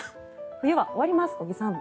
冬は終わります、小木さん。